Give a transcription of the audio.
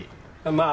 まあ。